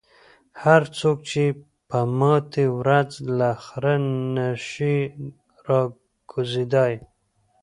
هر څوک چې په ماتمي ورځ له خره نشي راکوزېدای.